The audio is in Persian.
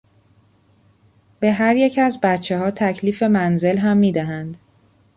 به هریک از بچهها تکلیف منزل هم میدهند.